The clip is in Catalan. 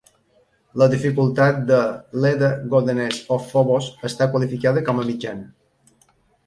La dificultat de "Leather Goddesses of Phobos" està qualificada com a mitjana.